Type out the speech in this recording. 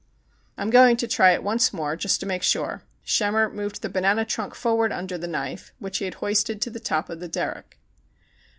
"I'm going to try it once more, just to make sure." Schemmer moved the banana trunk forward under the knife, which he had hoisted to the top of the derrick.